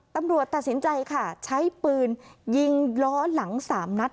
ตัดสินใจค่ะใช้ปืนยิงล้อหลัง๓นัด